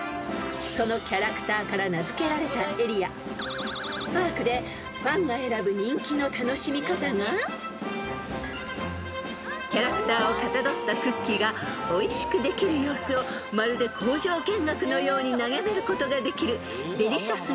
［そのキャラクターから名付けられたエリアパークでファンが選ぶ人気の楽しみ方がキャラクターをかたどったクッキーがおいしくできる様子をまるで工場見学のように眺めることができるデリシャス・ミー！